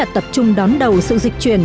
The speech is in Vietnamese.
tập trung đón đầu sự dịch chuyển